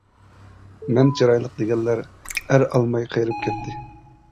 مەن چىرايلىق دېگەنلەر، ئەر ئالماي قېرىپ كەتتى.